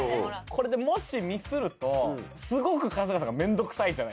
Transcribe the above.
これでもしミスるとすごく春日さんが面倒くさいじゃないですか。